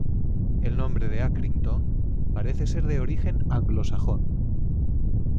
El nombre de Accrington parece ser de origen anglosajón.